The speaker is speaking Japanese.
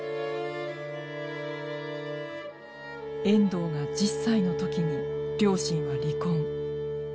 遠藤が１０歳の時に両親は離婚。